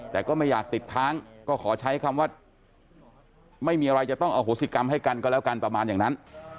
แต่ก็ไม่อยากติดค้างก็ขอใช้คำว่าไม่มีอะไรจะต้องอโหสิกรรมให้กันก็แล้วกันประมาณอย่างนั้น